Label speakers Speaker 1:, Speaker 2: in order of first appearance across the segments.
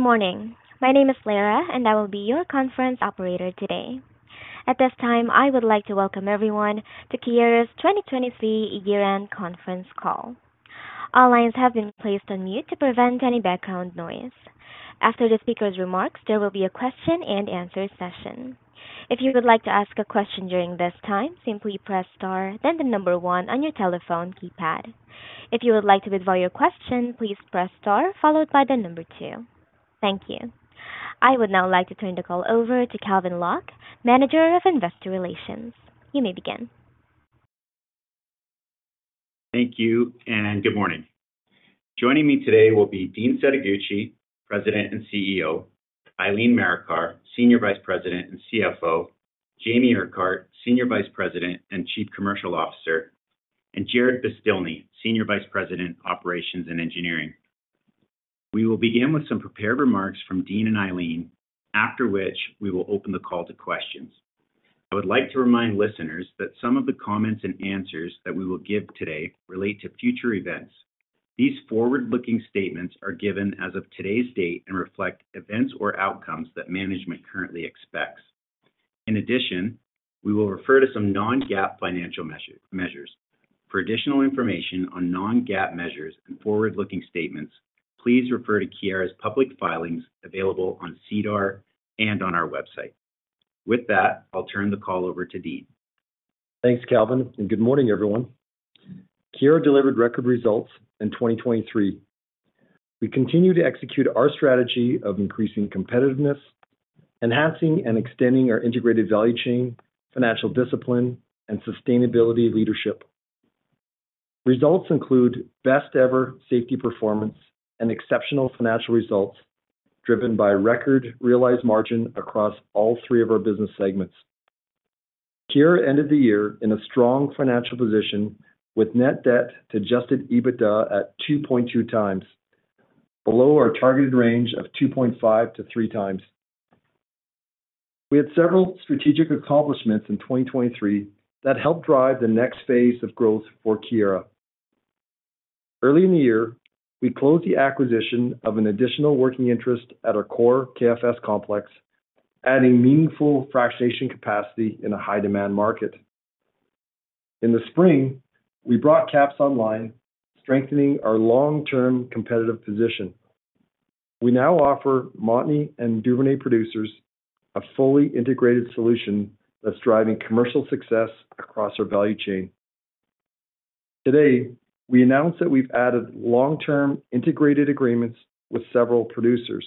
Speaker 1: Good morning. My name is Lera, and I will be your conference operator today. At this time, I would like to welcome everyone to Keyera's 2023 year-end conference call. All lines have been placed on mute to prevent any background noise. After the speaker's remarks, there will be a question and answer session. If you would like to ask a question during this time, simply press Star, then the number one on your telephone keypad. If you would like to withdraw your question, please press star followed by the number two. Thank you. I would now like to turn the call over to Calvin Locke, Manager of Investor Relations. You may begin.
Speaker 2: Thank you, and good morning. Joining me today will be Dean Setoguchi, President and CEO, Eileen Marikar, Senior Vice President and CFO, Jamie Urquhart, Senior Vice President and Chief Commercial Officer, and Jarrod Beztilny, Senior Vice President, Operations and Engineering. We will begin with some prepared remarks from Dean and Eileen, after which we will open the call to questions. I would like to remind listeners that some of the comments and answers that we will give today relate to future events. These forward-looking statements are given as of today's date and reflect events or outcomes that management currently expects. In addition, we will refer to some non-GAAP financial measure, measures. For additional information on non-GAAP measures and forward-looking statements, please refer to Keyera's public filings available on SEDAR and on our website. With that, I'll turn the call over to Dean.
Speaker 3: Thanks, Calvin, and good morning, everyone. Keyera delivered record results in 2023. We continue to execute our strategy of increasing competitiveness, enhancing and extending our integrated value chain, financial discipline, and sustainability leadership. Results include best ever safety performance and exceptional financial results, driven by record realized margin across all three of our business segments. Keyera ended the year in a strong financial position with net debt to adjusted EBITDA at 2.2x, below our targeted range of 2.5-3x We had several strategic accomplishments in 2023 that helped drive the next phase of growth for Keyera. Early in the year, we closed the acquisition of an additional working interest at our core KFS complex, adding meaningful fractionation capacity in a high-demand market. In the spring, we brought KAPS online, strengthening our long-term competitive position. We now offer Montney and Duvernay producers a fully integrated solution that's driving commercial success across our value chain. Today, we announced that we've added long-term integrated agreements with several producers.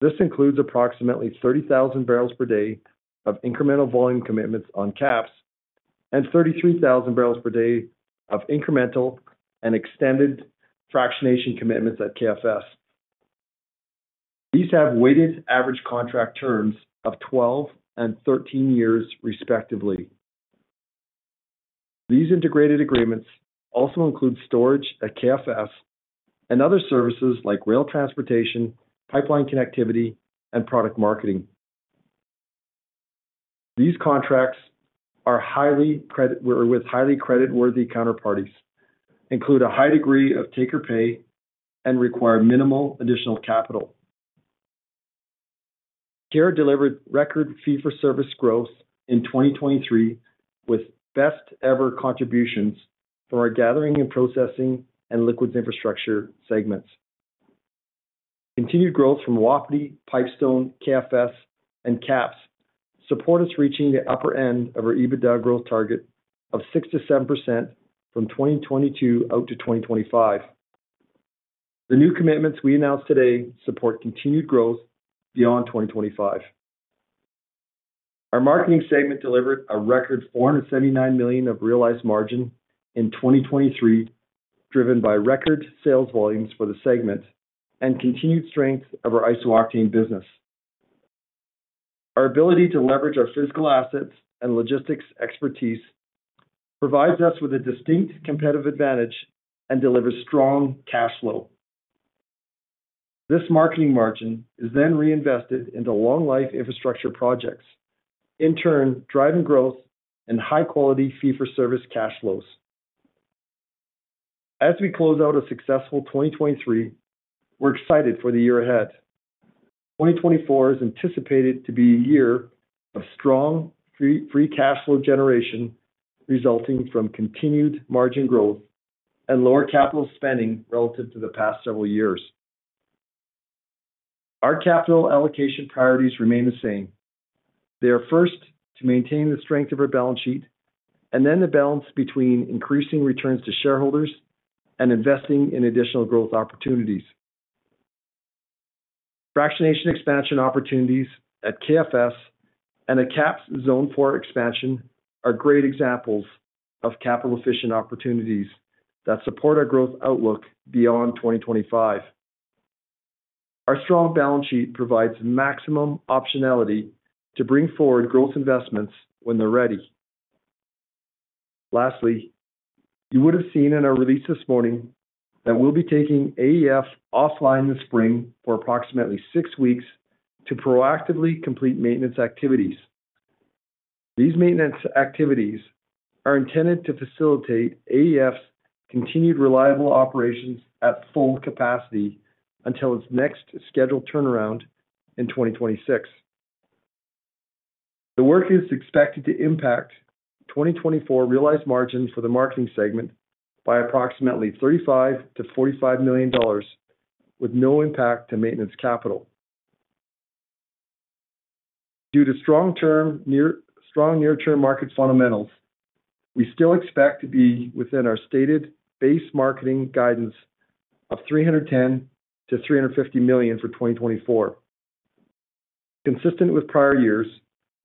Speaker 3: This includes approximately 30,000 barrels per day of incremental volume commitments on KAPS and 33,000 barrels per day of incremental and extended fractionation commitments at KFS. These have weighted average contract terms of 12 and 13 years, respectively. These integrated agreements also include storage at KFS and other services like rail transportation, pipeline connectivity, and product marketing. These contracts are highly credit-worthy with highly credit-worthy counterparties, include a high degree of take or pay, and require minimal additional capital. Keyera delivered record fee-for-service growth in 2023, with best ever contributions from our gathering and processing and liquids infrastructure segments. Continued growth from Wapiti, Pipestone, KFS, and KAPS supports us reaching the upper end of our EBITDA growth target of 6%-7% from 2022 to 2025. The new commitments we announced today support continued growth beyond 2025. Our marketing segment delivered a record 479 million of realized margin in 2023, driven by record sales volumes for the segment and continued strength of our iso-octane business. Our ability to leverage our physical assets and logistics expertise provides us with a distinct competitive advantage and delivers strong cash flow. This marketing margin is then reinvested into long-life infrastructure projects, in turn, driving growth and high-quality fee-for-service cash flows. As we close out a successful 2023, we're excited for the year ahead. 2024 is anticipated to be a year of strong free cash flow generation, resulting from continued margin growth and lower capital spending relative to the past several years. Our capital allocation priorities remain the same. They are first to maintain the strength of our balance sheet and then the balance between increasing returns to shareholders and investing in additional growth opportunities. Fractionation expansion opportunities at KFS and at KAPS Zone Four expansion are great examples of capital-efficient opportunities that support our growth outlook beyond 2025. Our strong balance sheet provides maximum optionality to bring forward growth investments when they're ready. Lastly, you would have seen in our release this morning that we'll be taking AEF offline this spring for approximately six weeks to proactively complete maintenance activities. These maintenance activities are intended to facilitate AEF's continued reliable operations at full capacity until its next scheduled turnaround in 2026. The work is expected to impact 2024 realized margins for the marketing segment by approximately 35 million-45 million dollars, with no impact to maintenance capital. Due to strong near-term market fundamentals, we still expect to be within our stated base marketing guidance of 310 million-350 million for 2024. Consistent with prior years,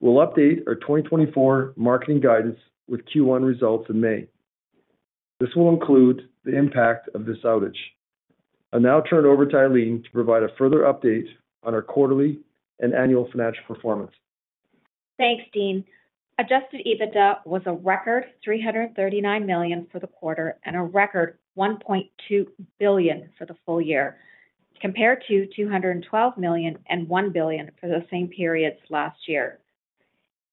Speaker 3: we'll update our 2024 marketing guidance with Q1 results in May. This will include the impact of this outage. I'll now turn over to Eileen to provide a further update on our quarterly and annual financial performance.
Speaker 4: Thanks, Dean. Adjusted EBITDA was a record CAD 339 million for the quarter and a record CAD 1.2 billion for the full year, compared to CAD 212 million and CAD 1 billion for the same periods last year.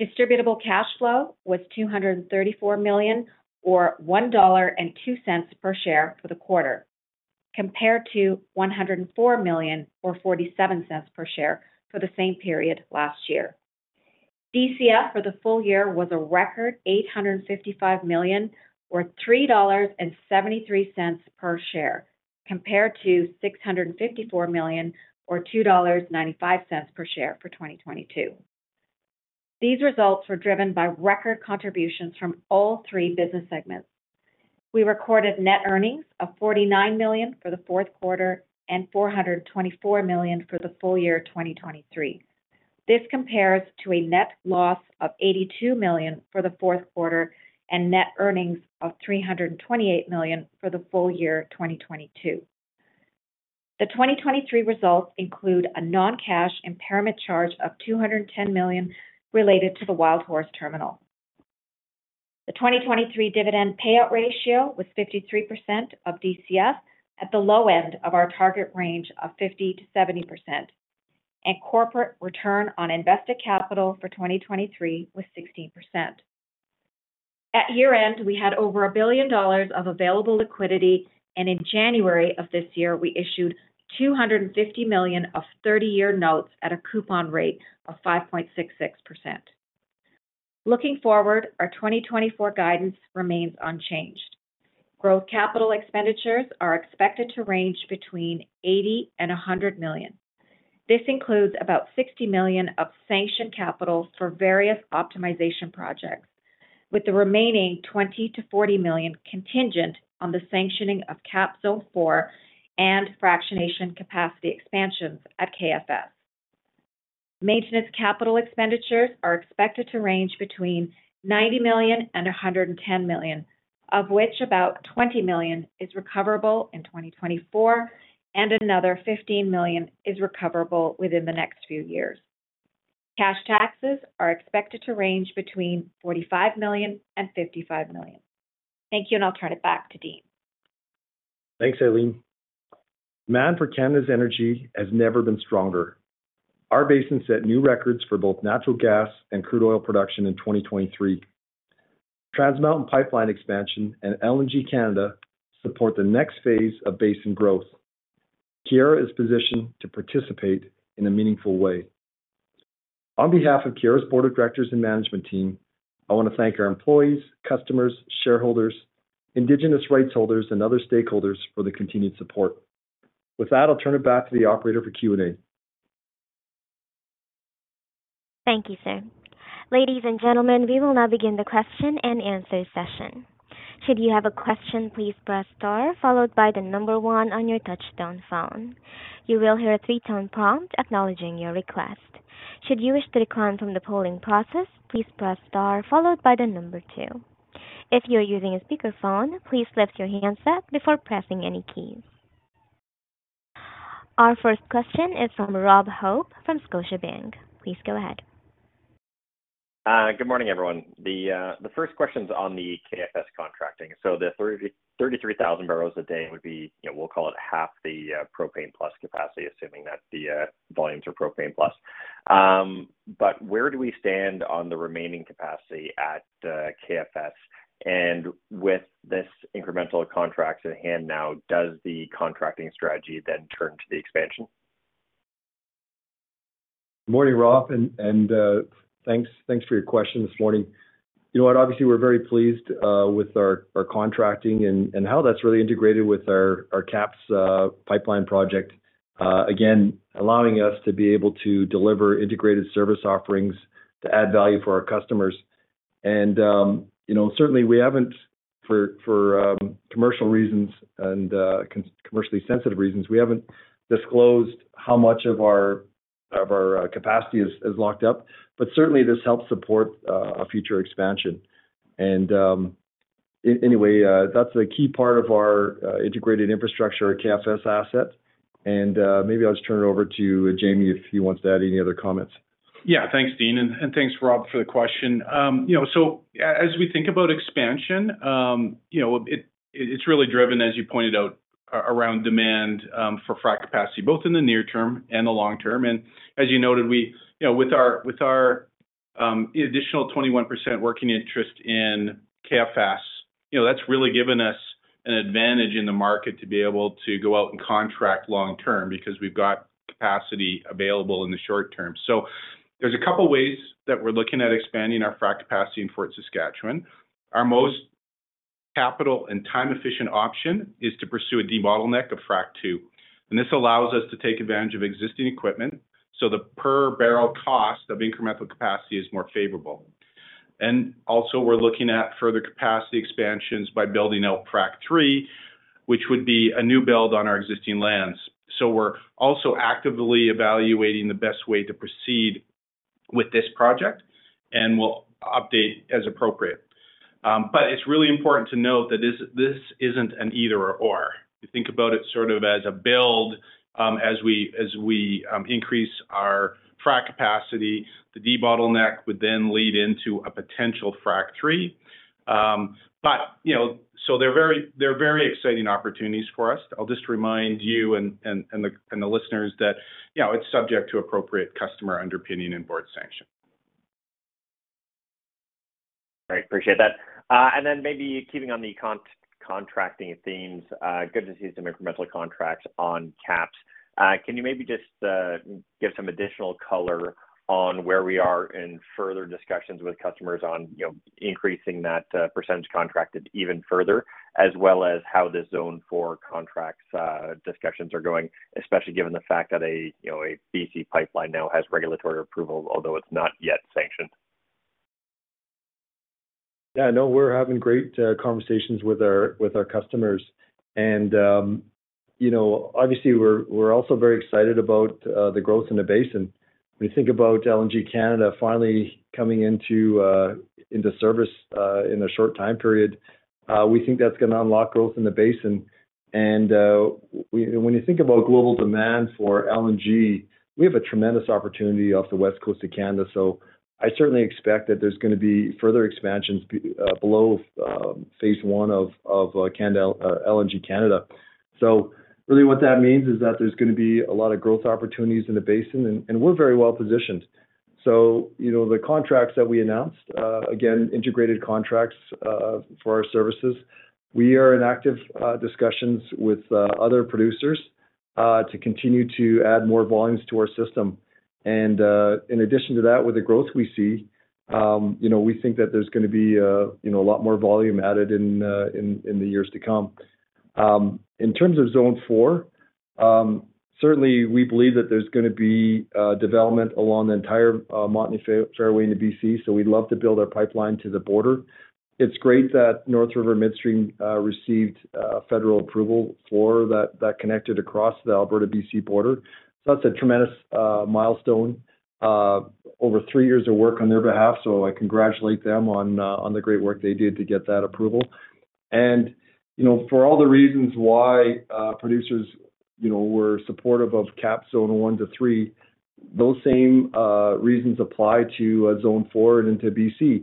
Speaker 4: Distributable cash flow was CAD 234 million, or CAD 1.02 per share for the quarter, compared to CAD 104 million, or 0.47 per share for the same period last year. DCF for the full year was a record 855 million or 3.73 dollars per share, compared to 654 million or 2.95 dollars per share for 2022. These results were driven by record contributions from all three business segments. We recorded net earnings of 49 million for the fourth quarter and 424 million for the full year 2023. This compares to a net loss of 82 million for the fourth quarter and net earnings of 328 million for the full year 2022. The 2023 results include a non-cash impairment charge of 210 million related to the Wildhorse Terminal. The 2023 dividend payout ratio was 53% of DCF, at the low end of our target range of 50%-70%, and corporate return on invested capital for 2023 was 16%. At year-end, we had over 1 billion dollars of available liquidity, and in January of this year, we issued 250 million of 30 year notes at a coupon rate of 5.66%. Looking forward, our 2024 guidance remains unchanged. Growth capital expenditures are expected to range between 80 million-100 million. This includes about 60 million of sanctioned capital for various optimization projects, with the remaining 20 million-40 million contingent on the sanctioning of KAPS Zone Four and fractionation capacity expansions at KFS. Maintenance capital expenditures are expected to range between 90 million-110 million, of which about 20 million is recoverable in 2024, and another 15 million is recoverable within the next few years. Cash taxes are expected to range between 45 million-55 million. Thank you, and I'll turn it back to Dean.
Speaker 3: Thanks, Eileen. Demand for Canada's energy has never been stronger. Our basin set new records for both natural gas and crude oil production in 2023. Trans Mountain pipeline expansion and LNG Canada support the next phase of basin growth. Keyera is positioned to participate in a meaningful way. On behalf of Keyera's Board of Directors and management team, I want to thank our employees, customers, shareholders, indigenous rights holders, and other stakeholders for the continued support. With that, I'll turn it back to the operator for Q&A.
Speaker 1: Thank you, sir. Ladies and gentlemen, we will now begin the question and answer session. Should you have a question, please press star followed by the number one on your touch-tone phone. You will hear a three-tone prompt acknowledging your request. Should you wish to decline from the polling process, please press star followed by the number two. If you are using a speakerphone, please lift your handset before pressing any keys. Our first question is from Rob Hope, from Scotiabank. Please go ahead.
Speaker 5: Good morning, everyone. The first question is on the KFS contracting. So the 33,000 barrels a day would be, you know, we'll call it half the propane-plus capacity, assuming that the volumes are propane plus. But where do we stand on the remaining capacity at KFS? And with this incremental contracts at hand now, does the contracting strategy then turn to the expansion?
Speaker 3: Morning, Rob, thanks, thanks for your question this morning. You know what? Obviously, we're very pleased with our contracting and how that's really integrated with our KAPS pipeline project. Again, allowing us to be able to deliver integrated service offerings to add value for our customers. You know, certainly we haven't for commercial reasons and commercially sensitive reasons, we haven't disclosed how much of our capacity is locked up, but certainly this helps support a future expansion. Anyway, that's a key part of our integrated infrastructure at KFS asset. Maybe I'll just turn it over to Jamie if he wants to add any other comments.
Speaker 6: Yeah. Thanks, Dean, and thanks, Rob, for the question. You know, so as we think about expansion, you know, it's really driven, as you pointed out, around demand for frac capacity, both in the near term and the long term. And as you noted, we, you know, with our, with our-... the additional 21% working interest in KFS, you know, that's really given us an advantage in the market to be able to go out and contract long term, because we've got capacity available in the short term. So there's a couple of ways that we're looking at expanding our frac capacity in Fort Saskatchewan. Our most capital and time-efficient option is to pursue a debottleneck of Frac II, and this allows us to take advantage of existing equipment, so the per barrel cost of incremental capacity is more favorable. And also, we're looking at further capacity expansions by building out Frac III, which would be a new build on our existing lands. So we're also actively evaluating the best way to proceed with this project, and we'll update as appropriate. But it's really important to note that this, this isn't an either/or. We think about it sort of as a build, as we increase our frac capacity, the debottleneck would then lead into a potential Frac III. But, you know, so they're very exciting opportunities for us. I'll just remind you and the listeners that, you know, it's subject to appropriate customer underpinning and board sanction.
Speaker 5: Great. Appreciate that. And then maybe keeping on the contracting themes, good to see some incremental contracts on KAPS. Can you maybe just give some additional color on where we are in further discussions with customers on, you know, increasing that percentage contracted even further, as well as how the Zone Four contracts discussions are going? Especially given the fact that, you know, a B.C. pipeline now has regulatory approval, although it's not yet sanctioned.
Speaker 3: Yeah, no, we're having great conversations with our customers. And you know, obviously, we're also very excited about the growth in the basin. When you think about LNG Canada finally coming into service in a short time period, we think that's gonna unlock growth in the basin. And when you think about global demand for LNG, we have a tremendous opportunity off the west coast of Canada. So I certainly expect that there's gonna be further expansions beyond phase one of LNG Canada. So really what that means is that there's gonna be a lot of growth opportunities in the basin, and we're very well positioned. So you know, the contracts that we announced, again, integrated contracts for our services. We are in active discussions with other producers to continue to add more volumes to our system. In addition to that, with the growth we see, you know, we think that there's gonna be, you know, a lot more volume added in the years to come. In terms of Zone Four, certainly we believe that there's gonna be development along the entire Montney Fairway into BC, so we'd love to build our pipeline to the border. It's great that NorthRiver Midstream received federal approval for that that connected across the Alberta-BC border. So that's a tremendous milestone over three years of work on their behalf. So I congratulate them on the great work they did to get that approval. You know, for all the reasons why producers you know were supportive of KAPS Zone One to Three, those same reasons apply to Zone Four and into BC.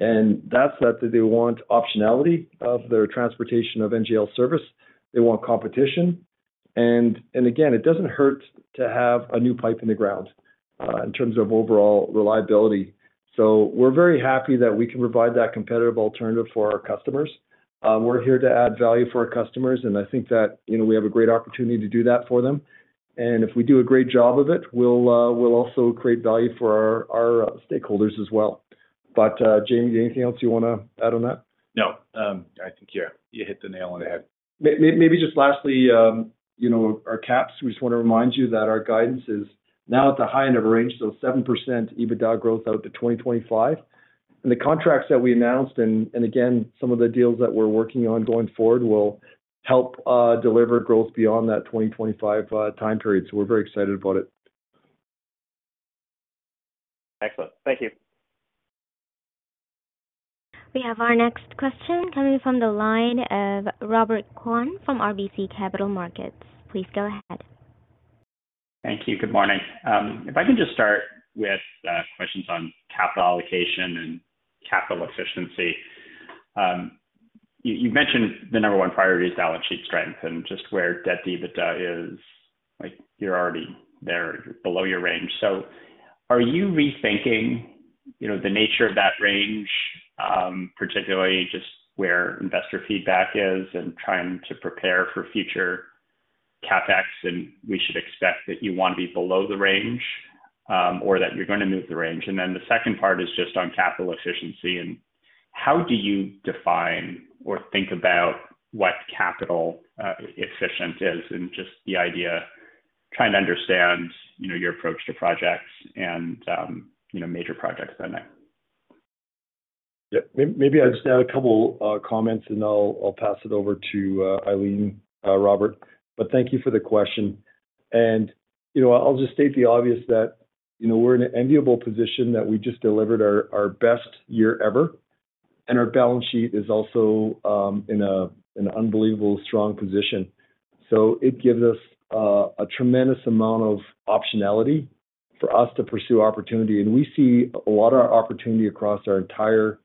Speaker 3: And that's that they want optionality of their transportation of NGL service, they want competition. And again, it doesn't hurt to have a new pipe in the ground in terms of overall reliability. So we're very happy that we can provide that competitive alternative for our customers. We're here to add value for our customers, and I think that you know we have a great opportunity to do that for them. And if we do a great job of it, we'll also create value for our stakeholders as well. But Jamie, anything else you wanna add on that?
Speaker 6: No, I think you hit the nail on the head.
Speaker 3: Maybe just lastly, you know, our KAPS, we just wanna remind you that our guidance is now at the high end of range, so 7% EBITDA growth out to 2025. And the contracts that we announced, and again, some of the deals that we're working on going forward, will help deliver growth beyond that 2025 time period. So we're very excited about it.
Speaker 5: Excellent. Thank you.
Speaker 1: We have our next question coming from the line of Robert Kwan from RBC Capital Markets. Please go ahead.
Speaker 7: Thank you. Good morning. If I can just start with questions on capital allocation and capital efficiency. You, you've mentioned the number one priority is balance sheet strength and just where debt to EBITDA is, like, you're already there below your range. So are you rethinking, you know, the nature of that range, particularly just where investor feedback is and trying to prepare for future CapEx, and we should expect that you want to be below the range, or that you're gonna move the range? And then the second part is just on capital efficiency, and how do you define or think about what capital efficient is? And just the idea, trying to understand, you know, your approach to projects and, you know, major projects spending.
Speaker 3: Yeah. Maybe I'll just add a couple comments, and I'll pass it over to Eileen, Robert, but thank you for the question. And, you know, I'll just state the obvious that, you know, we're in an enviable position that we just delivered our best year ever, and our balance sheet is also in an unbelievable strong position. So it gives us a tremendous amount of optionality for us to pursue opportunity. And we see a lot of opportunity across our entire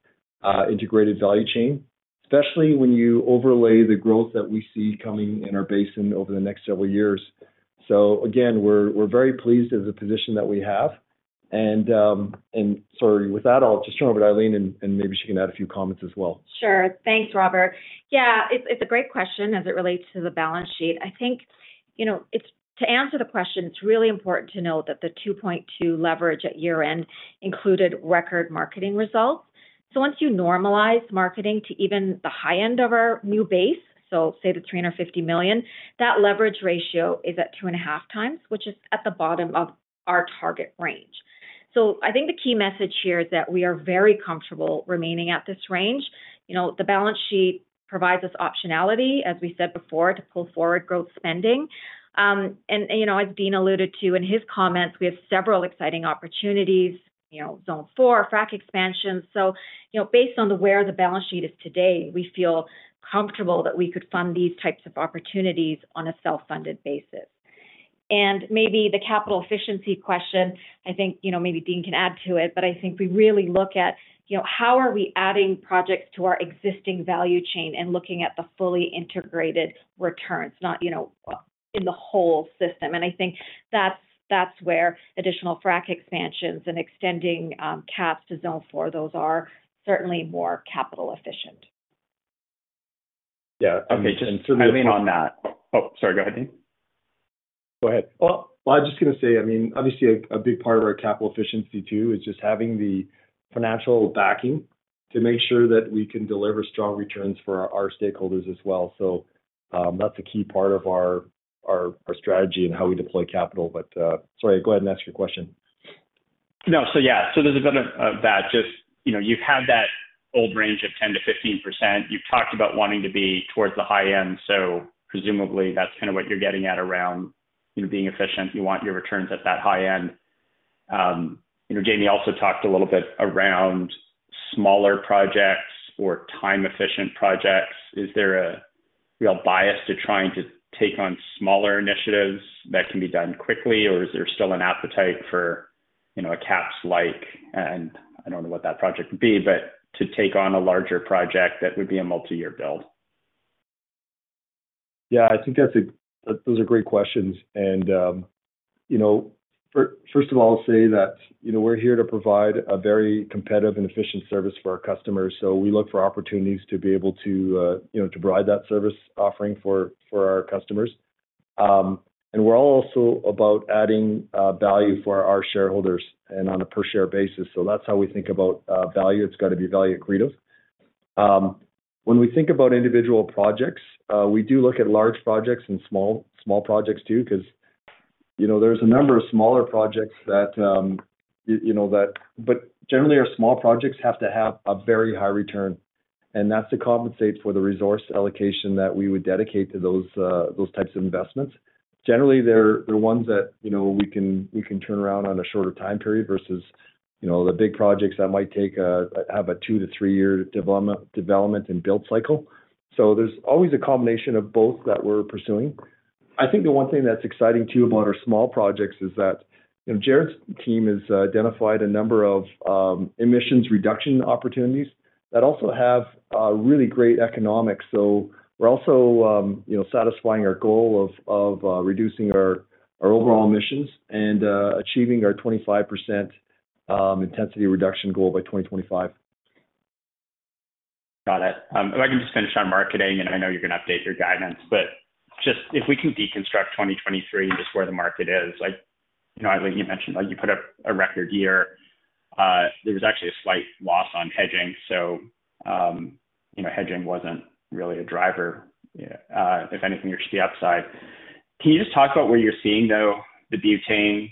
Speaker 3: integrated value chain, especially when you overlay the growth that we see coming in our basin over the next several years.... So again, we're very pleased with the position that we have. And so with that, I'll just turn over to Eileen, and maybe she can add a few comments as well.
Speaker 4: Sure. Thanks, Robert. Yeah, it's a great question as it relates to the balance sheet. I think, you know, it's to answer the question, it's really important to note that the 2.2 leverage at year-end included record marketing results. So once you normalize marketing to even the high end of our new base, so say 350 million, that leverage ratio is at 2.5x, which is at the bottom of our target range. So I think the key message here is that we are very comfortable remaining at this range. You know, the balance sheet provides us optionality, as we said before, to pull forward growth spending. And, you know, as Dean alluded to in his comments, we have several exciting opportunities, you know, Zone Four, Frac expansion. So, you know, based on where the balance sheet is today, we feel comfortable that we could fund these types of opportunities on a self-funded basis. And maybe the capital efficiency question, I think, you know, maybe Dean can add to it, but I think we really look at, you know, how are we adding projects to our existing value chain and looking at the fully integrated returns, not, you know, in the whole system? And I think that's where additional Frac expansions and extending KAPS to Zone Four, those are certainly more capital efficient.
Speaker 7: Yeah, and just on that. Oh, sorry, go ahead, Dean.
Speaker 3: Go ahead. Well, I was just gonna say, I mean, obviously a big part of our capital efficiency, too, is just having the financial backing to make sure that we can deliver strong returns for our stakeholders as well. So, that's a key part of our strategy and how we deploy capital. But, sorry, go ahead and ask your question.
Speaker 7: No. So, yeah, so there's a bit of, of that just, you know, you've had that old range of 10%-15%. You've talked about wanting to be towards the high end, so presumably, that's kind of what you're getting at around, you know, being efficient. You want your returns at that high end. You know, Jamie also talked a little bit around smaller projects or time-efficient projects. Is there a real bias to trying to take on smaller initiatives that can be done quickly, or is there still an appetite for, you know, a KAPS-like? And I don't know what that project would be, but to take on a larger project, that would be a multi-year build.
Speaker 3: Yeah, I think those are great questions. And, you know, first of all, I'll say that, you know, we're here to provide a very competitive and efficient service for our customers. So we look for opportunities to be able to, you know, to provide that service offering for, for our customers. And we're also about adding value for our shareholders and on a per-share basis. So that's how we think about value. It's got to be value accretive. When we think about individual projects, we do look at large projects and small, small projects, too, because, you know, there's a number of smaller projects that, you know, that. But generally, our small projects have to have a very high return, and that's to compensate for the resource allocation that we would dedicate to those, those types of investments. Generally, they're ones that, you know, we can turn around on a shorter time period versus, you know, the big projects that might take a two to three year development and build cycle. So there's always a combination of both that we're pursuing. I think the one thing that's exciting, too, about our small projects is that, you know, Jarrod's team has identified a number of emissions reduction opportunities that also have really great economics. So we're also, you know, satisfying our goal of reducing our overall emissions and achieving our 25% intensity reduction goal by 2025.
Speaker 7: Got it. If I can just finish on marketing, and I know you're gonna update your guidance, but just if we can deconstruct 2023, just where the market is. Like, you know, like you mentioned, like, you put up a record year. There was actually a slight loss on hedging, so, you know, hedging wasn't really a driver. If anything, you're to the upside. Can you just talk about where you're seeing, though, the butane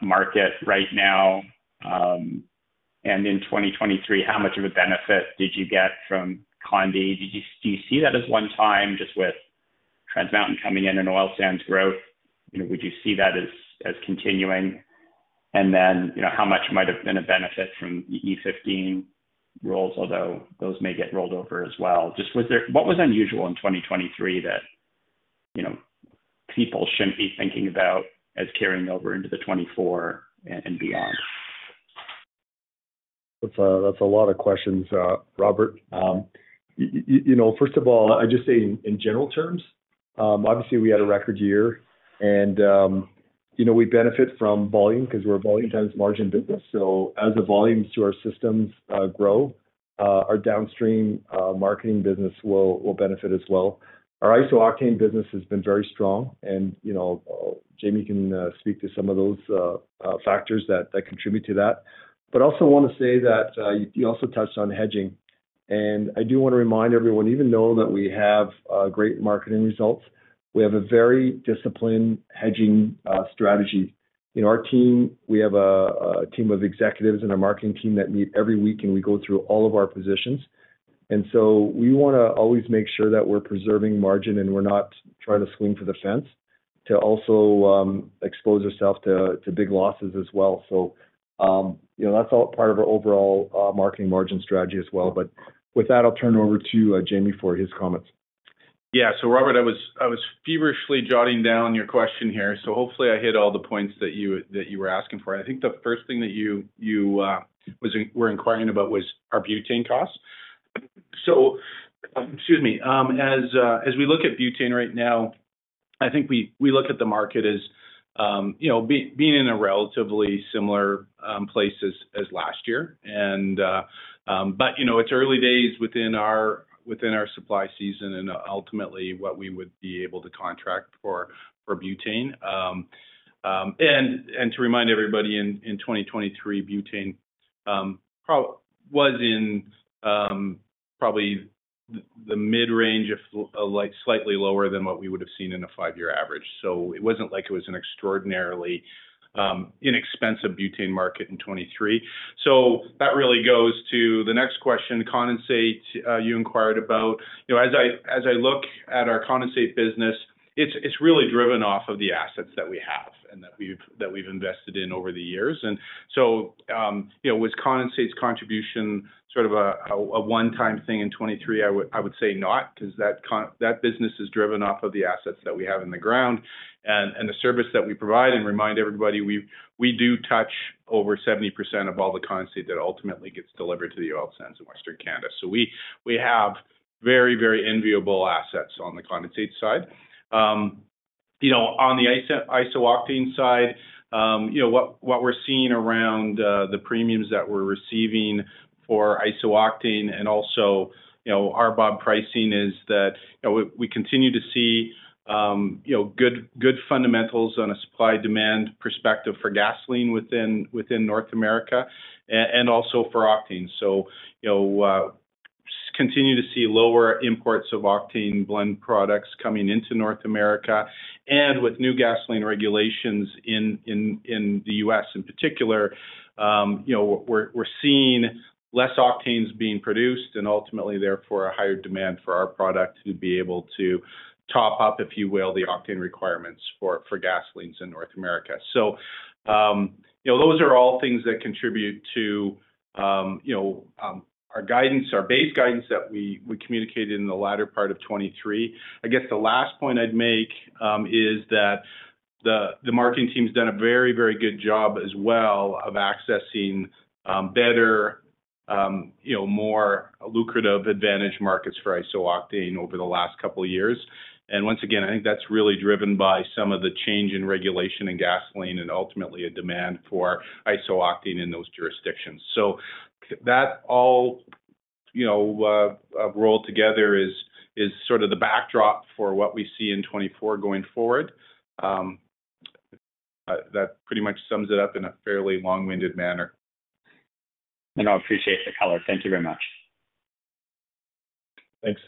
Speaker 7: market right now? And in 2023, how much of a benefit did you get from Condi? Do you, do you see that as one time, just with Trans Mountain coming in and oil sands growth, you know, would you see that as, as continuing? And then, you know, how much might have been a benefit from E15 roles, although those may get rolled over as well? Just, was there—what was unusual in 2023 that, you know, people shouldn't be thinking about as carrying over into 2024 and, and beyond?
Speaker 3: That's a, that's a lot of questions, Robert. You know, first of all, I'd just say in general terms, obviously, we had a record year, and, you know, we benefit from volume because we're a volume times margin business. So as the volumes to our systems grow, our downstream marketing business will benefit as well. Our iso-octane business has been very strong, and, you know, Jamie can speak to some of those factors that contribute to that. But I also want to say that, you also touched on hedging, and I do want to remind everyone, even though that we have great marketing results, we have a very disciplined hedging strategy. In our team, we have a team of executives and a marketing team that meet every week, and we go through all of our positions. And so we wanna always make sure that we're preserving margin, and we're not trying to swing for the fence to also expose ourselves to big losses as well. So, you know, that's all part of our overall marketing margin strategy as well. But with that, I'll turn it over to Jamie for his comments.
Speaker 6: Yeah. So, Robert, I was feverishly jotting down your question here, so hopefully, I hit all the points that you were asking for. I think the first thing that you were inquiring about was our butane costs. So, excuse me. As we look at butane right now, I think we look at the market as, you know, being in a relatively similar place as last year. And, but, you know, it's early days within our supply season and ultimately what we would be able to contract for butane. And to remind everybody, in 2023, butane was in probably the mid-range of like, slightly lower than what we would have seen in a five-year average. So it wasn't like it was an extraordinarily inexpensive butane market in 2023. So that really goes to the next question, condensate you inquired about. You know, as I, as I look at our condensate business, it's, it's really driven off of the assets that we have and that we've, that we've invested in over the years. And so, you know, with condensate's contribution, sort of a one-time thing in 2023, I would, I would say not, 'cause that business is driven off of the assets that we have in the ground and the service that we provide. And remind everybody, we, we do touch over 70% of all the condensate that ultimately gets delivered to the oil sands in Western Canada. So we, we have very, very enviable assets on the condensate side. You know, on the iso-octane side, you know, what we're seeing around the premiums that we're receiving for iso-octane and also, you know, RBOB pricing is that, you know, we continue to see, you know, good fundamentals on a supply-demand perspective for gasoline within North America and also for octane. So, you know, continue to see lower imports of octane blend products coming into North America. And with new gasoline regulations in the U.S. in particular, you know, we're seeing less octanes being produced and ultimately therefore, a higher demand for our product to be able to top up, if you will, the octane requirements for gasolines in North America. So, you know, those are all things that contribute to, you know, our guidance, our base guidance that we, we communicated in the latter part of 2023. I guess the last point I'd make, is that the, the marketing team has done a very, very good job as well of accessing, better, you know, more lucrative advantage markets for iso-octane over the last couple of years. And once again, I think that's really driven by some of the change in regulation and gasoline and ultimately a demand for iso-octane in those jurisdictions. So that all, you know, rolled together is, is sort of the backdrop for what we see in 2024 going forward. That pretty much sums it up in a fairly long-winded manner.
Speaker 7: I appreciate the color. Thank you very much.
Speaker 6: Thanks.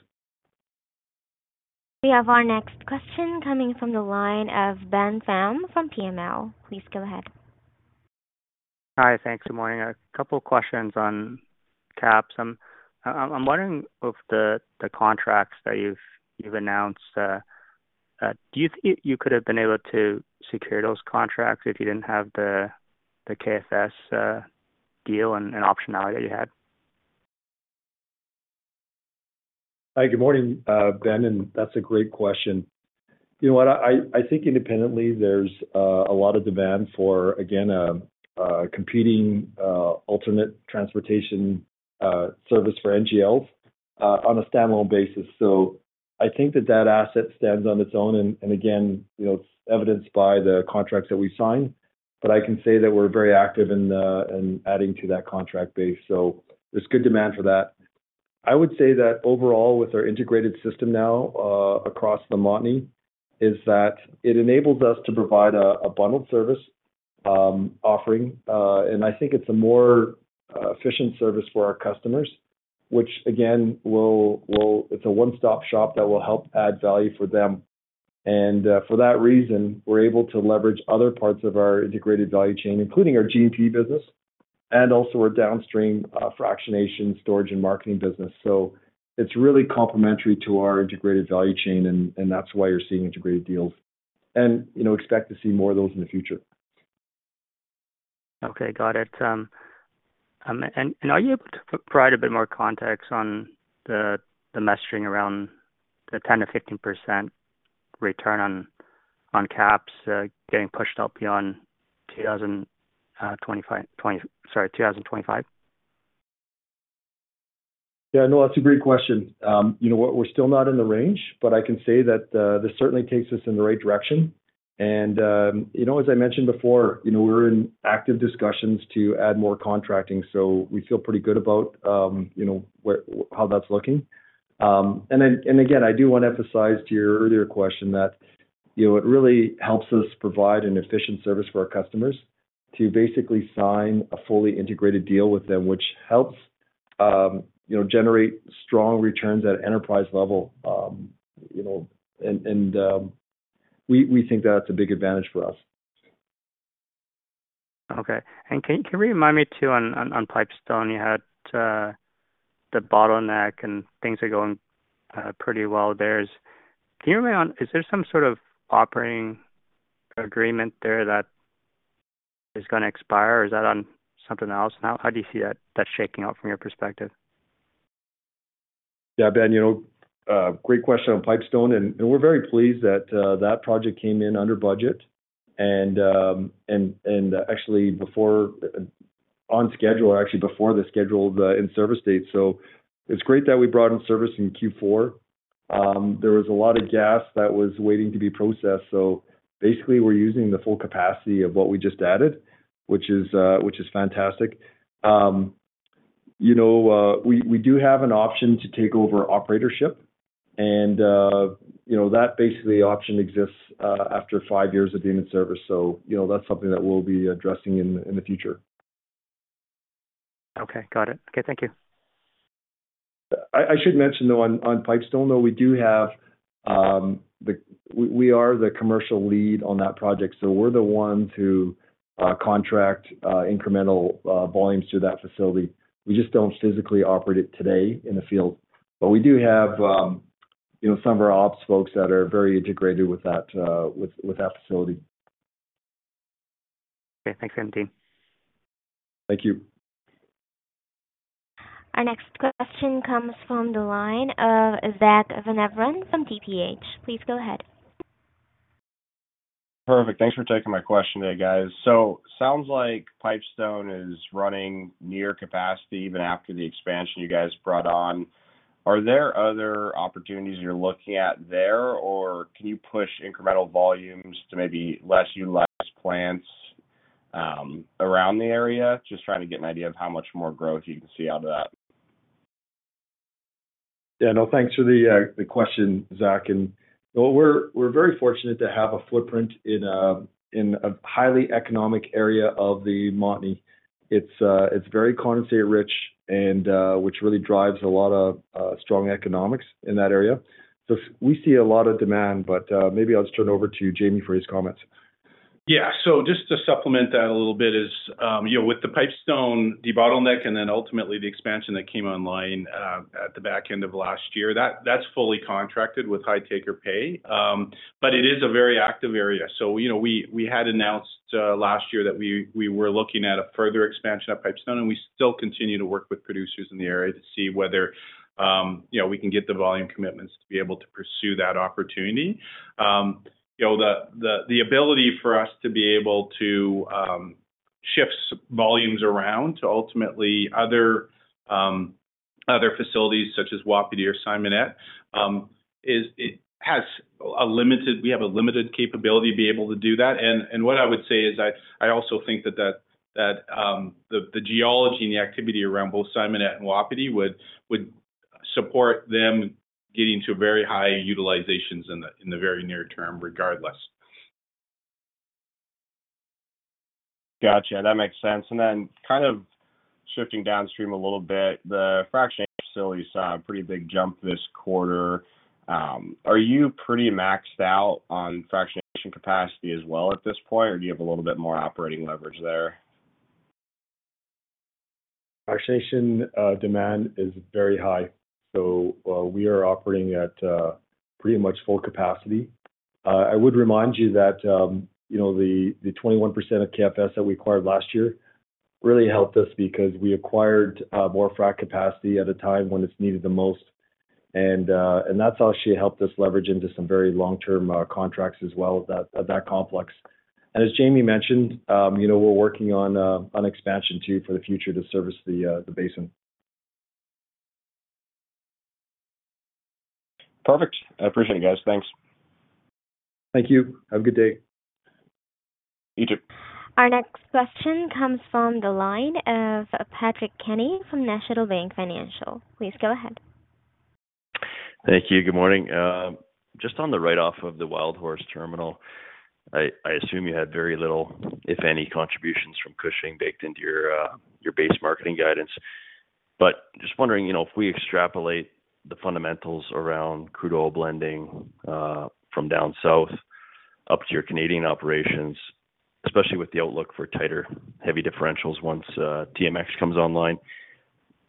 Speaker 1: We have our next question coming from the line of Ben Pham from BMO. Please go ahead.
Speaker 8: Hi. Thanks. Good morning. A couple of questions on KAPS. I'm wondering if the contracts that you've announced, do you think you could have been able to secure those contracts if you didn't have the KFS deal and optionality that you had?
Speaker 3: Hi. Good morning, Ben, and that's a great question. You know what? I think independently there's a lot of demand for, again, competing ultimate transportation service for NGLs on a stand-alone basis. So I think that that asset stands on its own, and again, you know, it's evidenced by the contracts that we sign. But I can say that we're very active in adding to that contract base, so there's good demand for that. I would say that overall, with our integrated system now across the Montney, is that it enables us to provide a bundled service offering. And I think it's a more efficient service for our customers, which again will—it's a one-stop shop that will help add value for them. For that reason, we're able to leverage other parts of our integrated value chain, including our G&P business and also our downstream fractionation, storage, and marketing business. It's really complementary to our integrated value chain, and, and that's why you're seeing integrated deals and, you know, expect to see more of those in the future.
Speaker 8: Okay, got it. And are you able to provide a bit more context on the messaging around the 10%-15% return on KAPS getting pushed out beyond 2025?
Speaker 3: Yeah, no, that's a great question. You know what? We're still not in the range, but I can say that, this certainly takes us in the right direction. And, you know, as I mentioned before, you know, we're in active discussions to add more contracting, so we feel pretty good about, you know, where, how that's looking. And then, and again, I do want to emphasize to your earlier question that, you know, it really helps us provide an efficient service for our customers to basically sign a fully integrated deal with them, which helps, you know, generate strong returns at enterprise level. You know, and, and, we think that's a big advantage for us.
Speaker 8: Okay. Can you remind me too, on Pipestone, you had the bottleneck and things are going pretty well there. Is there some sort of operating agreement there that is gonna expire, or is that on something else now? How do you see that shaking out from your perspective?
Speaker 3: Yeah, Ben, you know, great question on Pipestone, and we're very pleased that that project came in under budget. And actually before the scheduled in-service date. So it's great that we brought in service in Q4. There was a lot of gas that was waiting to be processed, so basically we're using the full capacity of what we just added, which is fantastic. You know, we do have an option to take over operatorship, and you know, that basically option exists after five years of being in service. So you know, that's something that we'll be addressing in the future.
Speaker 8: Okay, got it. Okay, thank you.
Speaker 3: I should mention, though, on Pipestone, though, we do have, we are the commercial lead on that project, so we're the one to contract incremental volumes to that facility. We just don't physically operate it today in the field. But we do have, you know, some of our ops folks that are very integrated with that, with that facility.
Speaker 8: Okay. Thanks, MD.
Speaker 3: Thank you.
Speaker 1: Our next question comes from the line of Zack Van Everen from TPH. Please go ahead.
Speaker 9: Perfect. Thanks for taking my question today, guys. So sounds like Pipestone is running near capacity even after the expansion you guys brought on. Are there other opportunities you're looking at there, or can you push incremental volumes to maybe less utilized plants, around the area? Just trying to get an idea of how much more growth you can see out of that.
Speaker 3: Yeah. No, thanks for the question, Zack. Well, we're very fortunate to have a footprint in a highly economic area of the Montney. It's very condensate rich and which really drives a lot of strong economics in that area. So we see a lot of demand, but maybe I'll turn it over to Jamie for his comments.
Speaker 6: Yeah. So just to supplement that a little bit is, you know, with the Pipestone debottleneck and then ultimately the expansion that came online, at the back end of last year, that's fully contracted with high take-or-pay. But it is a very active area. So, you know, we had announced, last year that we were looking at a further expansion of Pipestone, and we still continue to work with producers in the area to see whether, you know, we can get the volume commitments to be able to pursue that opportunity. You know, the ability for us to be able to, shift volumes around to ultimately other facilities such as Wapiti or Simonette, is – we have a limited capability to be able to do that. What I would say is I also think that the geology and the activity around both Simonette and Wapiti would support them getting to very high utilizations in the very near term, regardless.
Speaker 9: Gotcha. That makes sense. And then kind of shifting downstream a little bit, the fractionation facility saw a pretty big jump this quarter. Are you pretty maxed out on fractionation capacity as well at this point, or do you have a little bit more operating leverage there?
Speaker 3: Fractionation, demand is very high, so, we are operating at, pretty much full capacity. I would remind you that, you know, the 21% of KFS that we acquired last year really helped us because we acquired, more frac capacity at a time when it's needed the most. And, and that's actually helped us leverage into some very long-term, contracts as well at that, at that complex. And as Jamie mentioned, you know, we're working on, on expansion too, for the future to service the, the basin.
Speaker 9: Perfect. I appreciate it, guys. Thanks.
Speaker 3: Thank you. Have a good day.
Speaker 9: You too.
Speaker 1: Our next question comes from the line of Patrick Kenny from National Bank Financial. Please go ahead.
Speaker 10: Thank you. Good morning. Just on the write-off of the Wildhorse Terminal, I assume you had very little, if any, contributions from Cushing baked into your, your base marketing guidance. But just wondering, you know, if we extrapolate the fundamentals around crude oil blending from down south up to your Canadian operations, especially with the outlook for tighter heavy differentials once TMX comes online,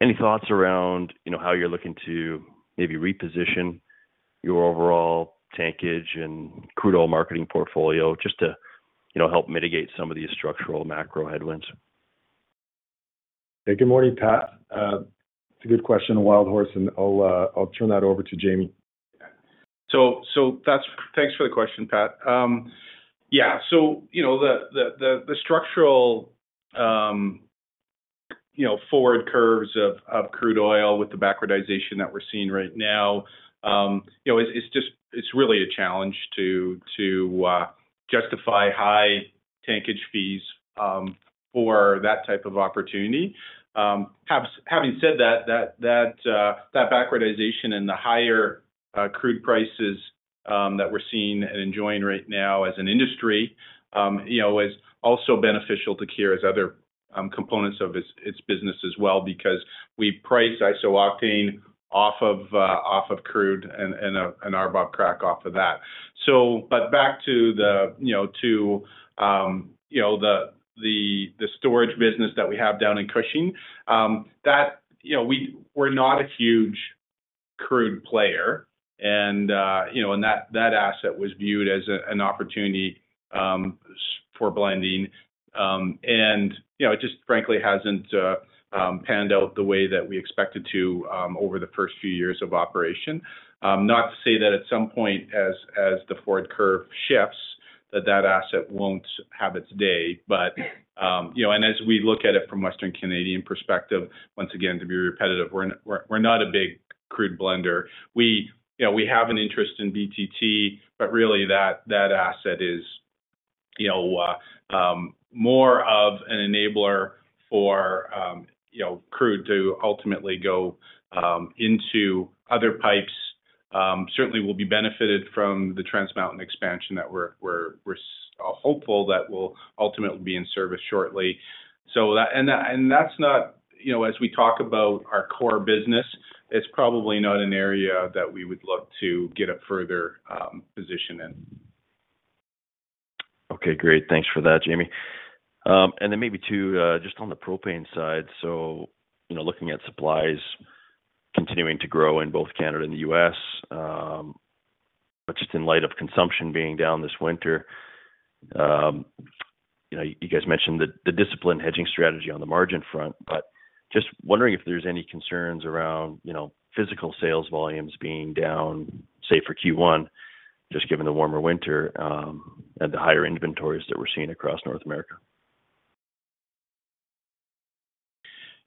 Speaker 10: any thoughts around, you know, how you're looking to maybe reposition your overall tankage and crude oil marketing portfolio just to, you know, help mitigate some of these structural macro headwinds?
Speaker 3: Hey, good morning, Pat. It's a good question on Wildhorse, and I'll turn that over to Jamie.
Speaker 6: Thanks for the question, Pat. Yeah, so you know, the structural forward curves of crude oil with the backwardation that we're seeing right now, it's just really a challenge to justify high tankage fees for that type of opportunity. Having said that, that backwardation and the higher crude prices that we're seeing and enjoying right now as an industry, you know, is also beneficial to Keyera's other components of its business as well, because we price iso-octane off of crude and our RBOB crack off of that. So, but back to the, you know, to, you know, the storage business that we have down in Cushing, that, you know, we're not a huge crude player, and, you know, and that asset was viewed as an opportunity for blending. You know, it just frankly hasn't panned out the way that we expected to over the first few years of operation. Not to say that at some point, as the forward curve shifts, that asset won't have its day. But, you know, and as we look at it from Western Canadian perspective, once again, to be repetitive, we're not a big crude blender. We, you know, we have an interest in BTT, but really that asset is, you know, more of an enabler for, you know, crude to ultimately go into other pipes. Certainly we'll be benefited from the Trans Mountain expansion that we're hopeful that will ultimately be in service shortly. So that and that's not, you know, as we talk about our core business, it's probably not an area that we would look to get a further position in.
Speaker 10: Okay, great. Thanks for that, Jamie. And then maybe too just on the propane side, so you know, looking at supplies continuing to grow in both Canada and the U.S., but just in light of consumption being down this winter, you know, you guys mentioned the disciplined hedging strategy on the margin front, but just wondering if there's any concerns around, you know, physical sales volumes being down, say, for Q1, just given the warmer winter, and the higher inventories that we're seeing across North America.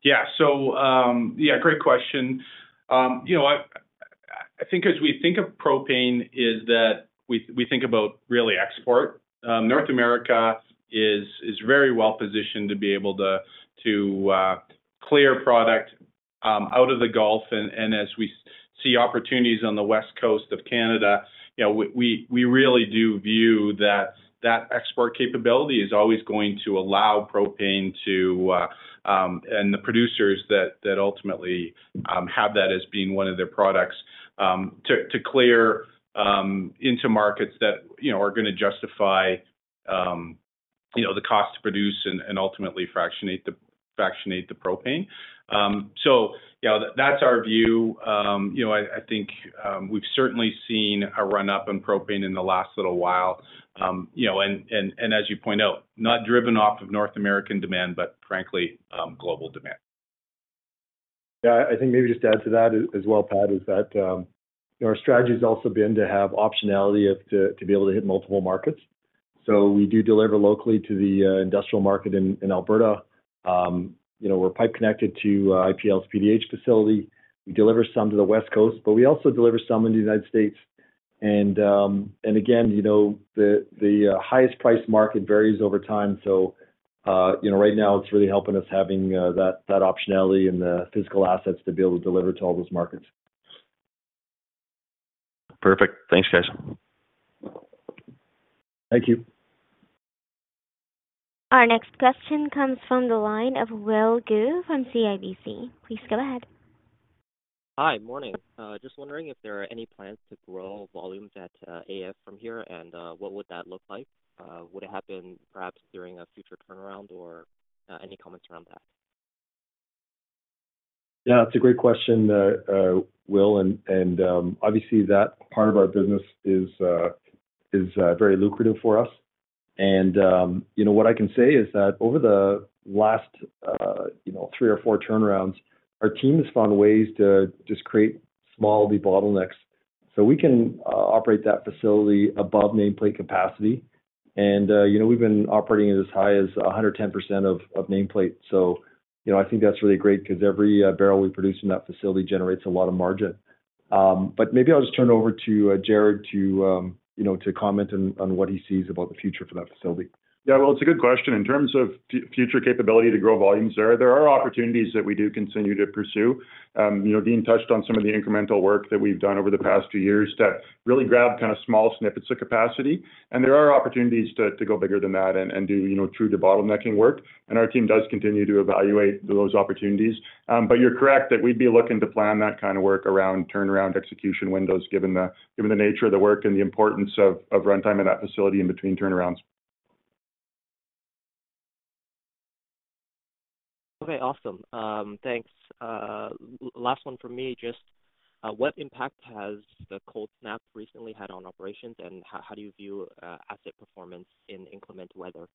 Speaker 6: Yeah. So, yeah, great question. You know, I think as we think of propane is that we think about really export. North America is very well positioned to be able to clear product out of the Gulf. And as we see opportunities on the West Coast of Canada, you know, we really do view that export capability is always going to allow propane to and the producers that ultimately have that as being one of their products to clear into markets that you know are gonna justify you know the cost to produce and ultimately fractionate the propane. So yeah, that's our view. You know, I think we've certainly seen a run-up in propane in the last little while. You know, and as you point out, not driven off of North American demand, but frankly, global demand.
Speaker 3: Yeah, I think maybe just to add to that as well, Pat, is that, you know, our strategy has also been to have optionality to be able to hit multiple markets. So we do deliver locally to the industrial market in Alberta. You know, we're pipe connected to IPL's PDH facility. We deliver some to the West Coast, but we also deliver some in the United States. And again, you know, the highest price market varies over time. So, you know, right now it's really helping us having that optionality and the physical assets to be able to deliver to all those markets.
Speaker 10: Perfect. Thanks, guys.
Speaker 3: Thank you.
Speaker 1: Our next question comes from the line of Will Gorman on CIBC. Please go ahead.
Speaker 11: Hi. Morning. Just wondering if there are any plans to grow volumes at AEF from here, and what would that look like? Would it happen perhaps during a future turnaround or any comments around that?
Speaker 3: Yeah, it's a great question, Will, and obviously, that part of our business is very lucrative for us. And you know, what I can say is that over the last three or four turnarounds, our team has found ways to just create small debottlenecks, so we can operate that facility above nameplate capacity. And you know, we've been operating as high as 110% of nameplate. So you know, I think that's really great because every barrel we produce in that facility generates a lot of margin. But maybe I'll just turn it over to Jarrod to you know to comment on what he sees about the future for that facility.
Speaker 12: Yeah, well, it's a good question. In terms of future capability to grow volumes there, there are opportunities that we do continue to pursue. You know, Dean touched on some of the incremental work that we've done over the past few years that really grab kind of small snippets of capacity, and there are opportunities to go bigger than that and do, you know, true debottlenecking work, and our team does continue to evaluate those opportunities. But you're correct that we'd be looking to plan that kind of work around turnaround execution windows, given the nature of the work and the importance of runtime at that facility in between turnarounds.
Speaker 11: Okay, awesome. Thanks. Last one from me, just what impact has the cold snap recently had on operations, and how do you view asset performance in inclement weather?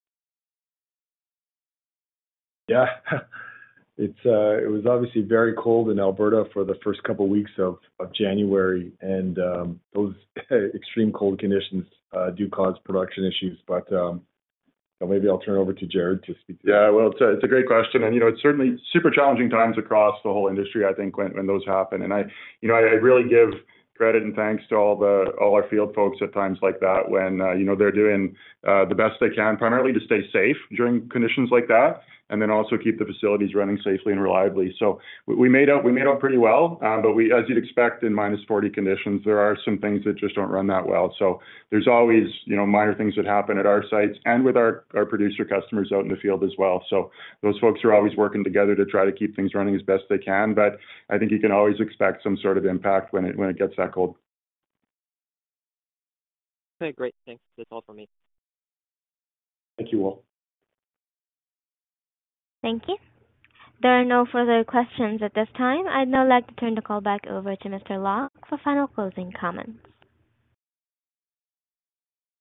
Speaker 3: Yeah. It was obviously very cold in Alberta for the first couple of weeks of January, and those extreme cold conditions do cause production issues. But, maybe I'll turn over to Jarrod to speak to that.
Speaker 12: Yeah, well, it's a great question, and you know, it's certainly super challenging times across the whole industry, I think, when those happen. And I you know, I really give credit and thanks to all our field folks at times like that when you know, they're doing the best they can, primarily to stay safe during conditions like that, and then also keep the facilities running safely and reliably. So we made out, we made out pretty well, but we, as you'd expect, in -40 conditions, there are some things that just don't run that well. So there's always, you know, minor things that happen at our sites and with our producer customers out in the field as well. Those folks are always working together to try to keep things running as best they can, but I think you can always expect some sort of impact when it, when it gets that cold.
Speaker 11: Okay, great. Thanks. That's all for me.
Speaker 3: Thank you, Will.
Speaker 1: Thank you. There are no further questions at this time. I'd now like to turn the call back over to Mr. Locke for final closing comments.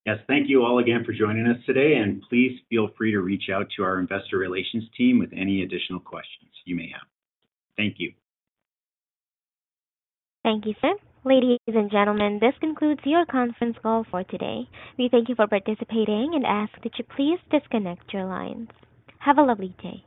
Speaker 2: Yes, thank you all again for joining us today, and please feel free to reach out to our investor relations team with any additional questions you may have. Thank you.
Speaker 1: Thank you, sir. Ladies and gentlemen, this concludes your conference call for today. We thank you for participating and ask that you please disconnect your lines. Have a lovely day.